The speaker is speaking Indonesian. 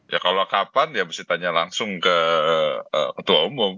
ya kalau kapan ya mesti tanya langsung ke ketua umum